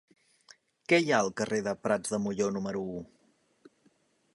Què hi ha al carrer de Prats de Molló número u?